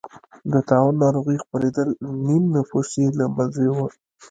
د طاعون ناروغۍ خپرېدل نییم نفوس یې له منځه یووړ.